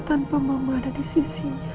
tanpa mama ada di sisi